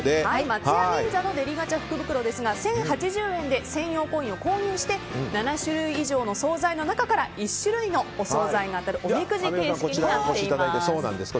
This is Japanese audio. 松屋銀座のデリガチャ福袋ですが１０８０円で専用コインを購入して７種類以上の総菜の中から１種類のお総菜が当たるおみくじ形式になっています。